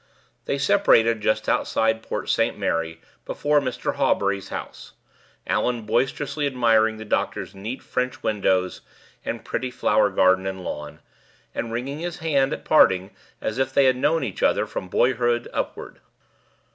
They separated just outside Port St. Mary, before Mr. Hawbury's house, Allan boisterously admiring the doctor's neat French windows and pretty flower garden and lawn, and wringing his hand at parting as if they had known each other from boyhood upward.